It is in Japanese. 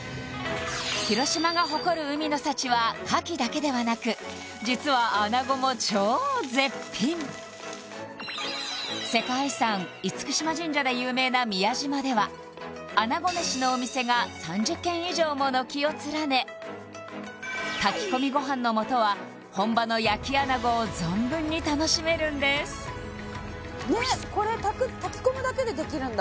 広島が誇る海の幸はかきだけではなく実は世界遺産厳島神社で有名な宮島ではも軒を連ね炊き込みご飯のもとは本場の焼きあなごを存分に楽しめるんですねっこれ炊き込むだけでできるんだ・